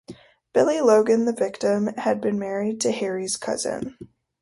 Billy Logan, the victim, had been married to Harry's cousin.